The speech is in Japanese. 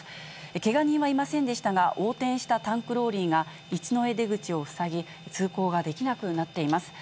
けが人はいませんでしたが、横転したタンクローリーが、一之江出口を塞ぎ、通行ができなくなっています。